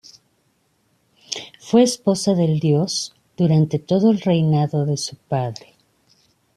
Fue esposa del dios durante todo el reinado de su padre.